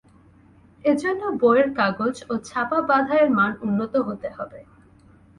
এ জন্য বইয়ের কাগজ ও ছাপা বাঁধাইয়ের মান উন্নত হতে হবে।